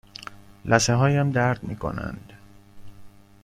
لثه هایم درد می کنند.